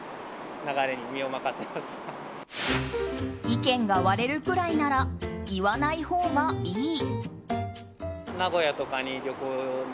意見が割れるくらいなら言わないほうがいい。